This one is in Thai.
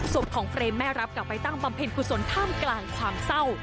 ศพของเฟรมแม่รับกลับไปตั้งบำเพ็ญกุศลท่ามกลางความเศร้า